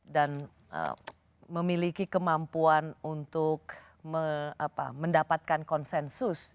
dan memiliki kemampuan untuk mendapatkan konsensus